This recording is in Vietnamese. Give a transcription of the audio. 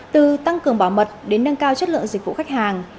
từ tăng cường bảo mật đến nâng cao chất lượng dịch vụ khách hàng